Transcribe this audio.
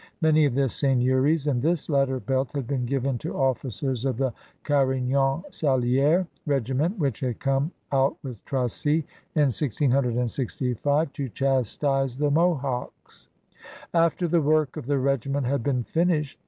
Many of the seigneuries in this latter belt had been given to officers of the Carignan Sali^res regiment which had come out with Tracy in 1665 to chastise the Mohawks. After the work of the regiment had been finished.